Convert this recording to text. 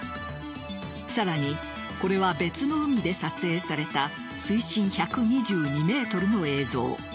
さらに、これは別の海で撮影された水深１２２ｍの映像。